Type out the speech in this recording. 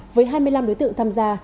với hai mươi năm đối tượng tham gia